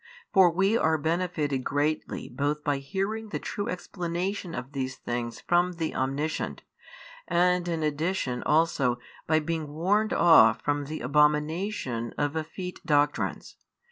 For we are benefited greatly both by hearing the true explanation of these things from the Omniscient, and in addition also by being warned off from the abomination of effete doctrines.